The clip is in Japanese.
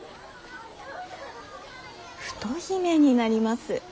太姫になります。